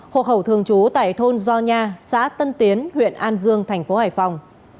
hộ khẩu thường trú tại thôn gio nha xã tân tiến huyện an dương thành phố hải phòng